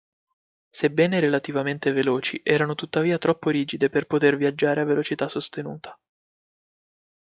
Sebbene relativamente veloci erano tuttavia troppo rigide per poter viaggiare a velocità sostenuta.